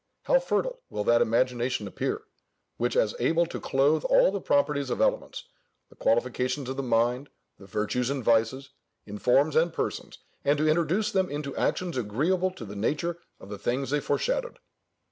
How fertile will that imagination appear, which was able to clothe all the properties of elements, the qualifications of the mind, the virtues and vices, in forms and persons, and to introduce them into actions agreeable to the nature of the things they shadowed!